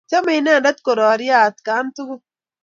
Chame inendet kororye atkan tugul.